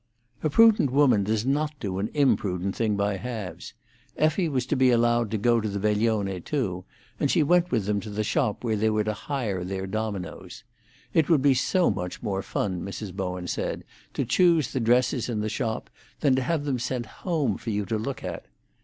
A prudent woman does not do an imprudent thing by halves. Effie was to be allowed to go to the veglione too, and she went with them to the shop where they were to hire their dominoes. It would be so much more fun, Mrs. Bowen said, to choose the dresses in the shop than to have them sent home for you to look at.